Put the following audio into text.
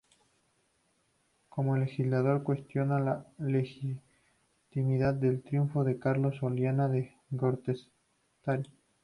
Como legislador, cuestionó la legitimidad del triunfo de Carlos Salinas de Gortari.